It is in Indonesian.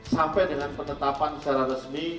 sampai dengan penetapan secara resmi